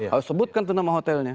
kalau sebutkan itu nama hotelnya